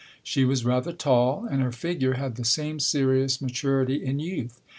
She was rather tall, and her figure had the same serious maturity in youth.